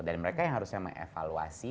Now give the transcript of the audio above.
dan mereka yang harusnya mengevaluasi